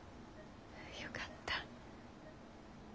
よかった。